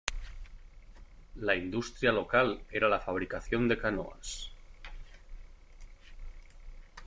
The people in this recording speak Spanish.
La industria local era la fabricación de canoas.